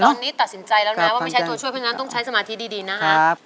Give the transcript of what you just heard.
ตัดสินใจแล้วนะว่าไม่ใช่ตัวช่วยเพราะงั้นต้องใช้สมาธิดีนะฮะ